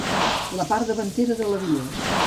La part davantera de l'avió.